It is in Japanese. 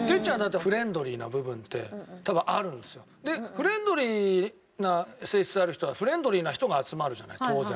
フレンドリーな性質ある人はフレンドリーな人が集まるじゃない当然。